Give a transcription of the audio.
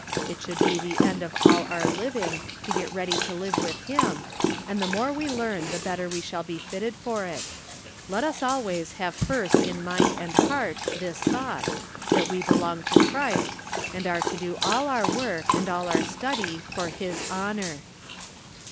It should be the end of all our living to get ready to live with Him, and the more we learn the better we shall be fit ted for it. Let us alv/ays have first in mind and heart this thought, that we belong to Christ, and are to do all our work, and all our studj', for his honor."